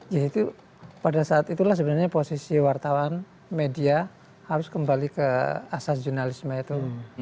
yaitu pada saat itulah sebenarnya posisi wartawan media harus kembali ke asas jurnalisme itu